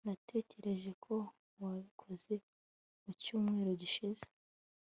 Natekereje ko wabikoze mucyumweru gishize